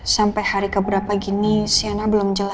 sampai hari keberapa gini shaina belum jelasin